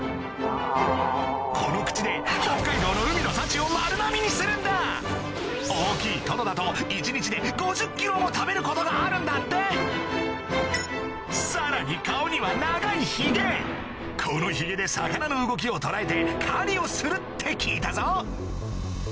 この口で北海道の海の幸を丸のみにするんだ大きいトドだとも食べることがあるんだってさらに顔には長いヒゲこのヒゲで魚の動きを捉えて狩りをするって聞いたぞ